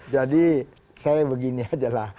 jadi saya begini saja